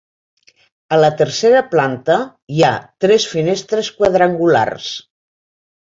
A la tercera planta hi ha tres finestres quadrangulars.